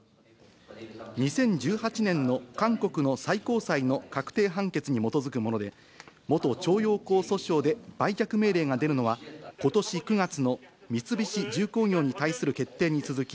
２０１８年の韓国の最高裁の確定判決に基づくもので、元徴用工訴訟で売却命令が出るのは、ことし９月の三菱重工業に対する決定に続き